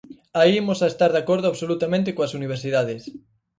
Aí imos a estar de acordo absolutamente coas universidades.